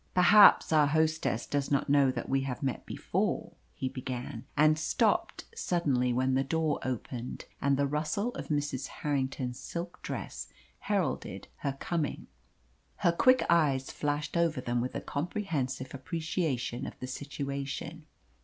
"Perhaps our hostess does not know that we have met before " he began; and stopped suddenly when the door opened, and the rustle of Mrs. Harrington's silk dress heralded her coming. Her quick eyes flashed over them with a comprehensive appreciation of the situation.